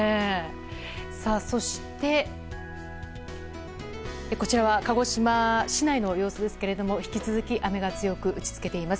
そして、こちらは鹿児島市内の様子ですけれども引き続き雨が強く打ちつけています。